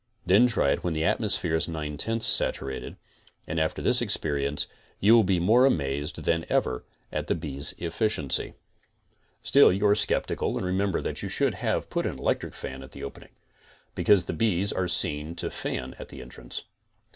Then try it when the atmosphere is 9 10 saturated, and after this experience you will be more amazed than ever at the bees' efficiency. Still you are skeptical and remember that you should have put an electric fan at the opening, because the bees are seen to fan at the entrance.